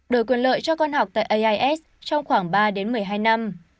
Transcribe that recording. đổi quyền lợi cho con học tại ais trong khoảng ba đến một mươi hai năm